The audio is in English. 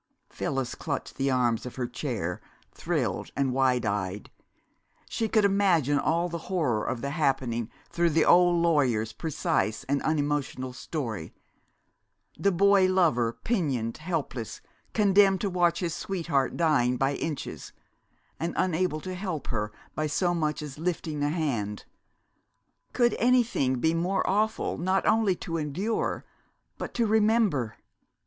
Phyllis clutched the arms of her chair, thrilled and wide eyed. She could imagine all the horror of the happening through the old lawyer's precise and unemotional story. The boy lover, pinioned, helpless, condemned to watch his sweetheart dying by inches, and unable to help her by so much as lifting a hand could anything be more awful not only to endure, but to remember?